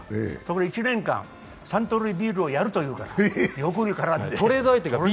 １年間サントリービールをやると言うから、欲にからんで。